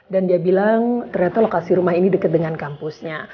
dan dia bilang ternyata lokasi rumah ini deket dengan kampusnya